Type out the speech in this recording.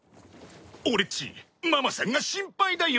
俺っちママさんが心配だよ！